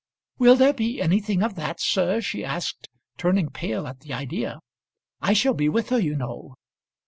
"Will there be anything of that, sir?" she asked, turning pale at the idea. "I shall be with her, you know."